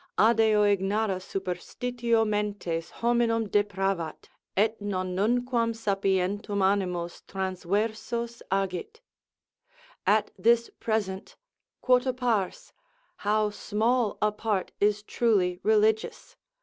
Adeo ignara superstitio mentes hominum depravat, et nonnunquam sapientum animos transversos agit. At this present, quota pars! How small a part is truly religious!